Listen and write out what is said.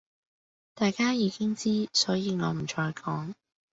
大家已經知,所以我唔再講